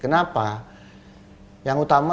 kenapa yang utama